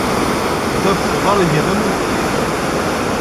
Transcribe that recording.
Ddabax n uḍar iga d amubrin.